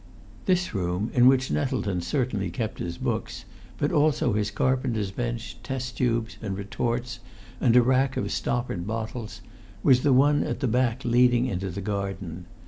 This room, in which Nettleton certainly kept his books, but also his carpenter's bench, test tubes and retorts, and a rack of stoppered bottles, was the one at the back leading into the garden.